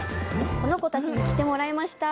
この子たちに来てもらいました。